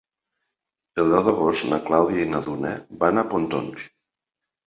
El deu d'agost na Clàudia i na Duna van a Pontons.